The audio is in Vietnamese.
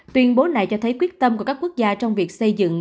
tuyên bố này cho thấy quyết tâm của các quốc gia trong việc xây dựng